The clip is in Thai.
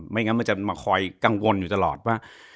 งั้นมันจะมาคอยกังวลอยู่ตลอดว่า